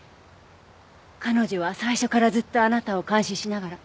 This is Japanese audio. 彼女は最初からずっとあなたを監視しながら。